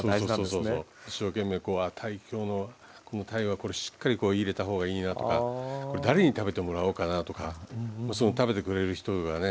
そうそう一生懸命今日のこのたいはしっかりこう入れた方がいいなとかこれ誰に食べてもらおうかなとか食べてくれる人とかね。